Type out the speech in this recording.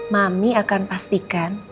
mami akan pastikan